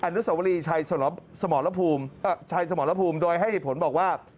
อนุสาวรีชัยสมรพภูมิโดยให้เหตุผลบอกว่า